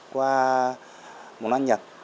qua món ăn nhật